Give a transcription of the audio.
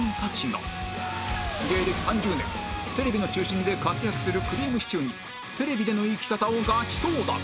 芸歴３０年テレビの中心で活躍するくりぃむしちゅーにテレビでの生き方をガチ相談